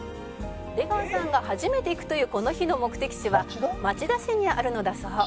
「出川さんが初めて行くというこの日の目的地は町田市にあるのだそう」